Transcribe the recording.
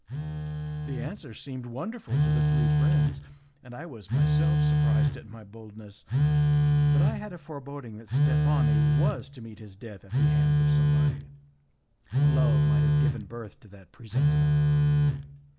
The answer seemed wonderful to the three friends, and I was myself surprised at my boldness, but I had a foreboding that Steffani was to meet his death at the hands of somebody; love might have given birth to that presentiment.